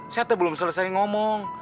saya belum selesai ngomong